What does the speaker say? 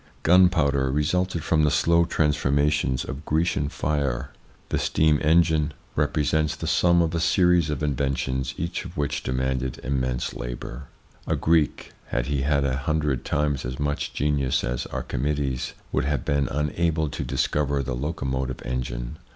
Gunpowder resulted from slow trans formations of Grecian fire. The steam engine repre 202 THE PSYCHOLOGY OF PEOPLES: sents the sum of a series of inventions, each of which demanded immense labour. A Greek, had he had a hundred times as much genius as Archimedes, would have been unable to discover the locomotive engine.